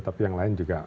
tapi yang lain juga